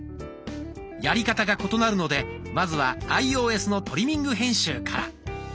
やり方が異なるのでまずはアイオーエスのトリミング編集から。